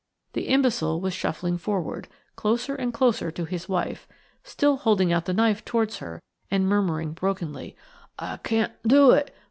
The imbecile was shuffling forward, closer and closer to his wife, still holding out the knife towards her and murmuring brokenly: "I can't do it.